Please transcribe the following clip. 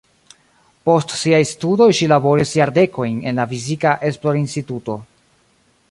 Post siaj studoj ŝi laboris jardekojn en la fizika esplorinstituto.